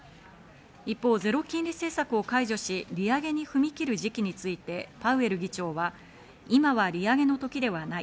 一方、ゼロ金利政策を解除し、利上げに踏み切る時期について、パウエル議長は、今は利上げの時ではない。